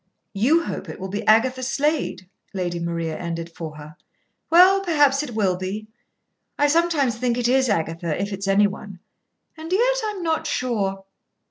"You hope it will be Agatha Slade," Lady Maria ended for her. "Well, perhaps it will be. I sometimes think it is Agatha, if it's any one. And yet I'm not sure.